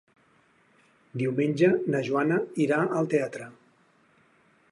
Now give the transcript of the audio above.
Diumenge na Joana irà al teatre.